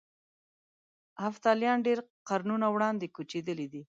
هفتالیان ډېر قرنونه وړاندې کوچېدلي دي.